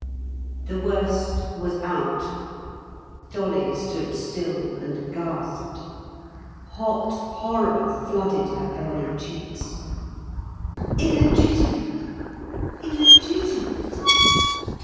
The worst was out. Dolly stood still and gasped. Hot horror flooded her burning cheeks. Illegitimate! illegitimate!